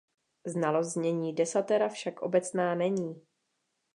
Znalost znění Desatera však obecná není.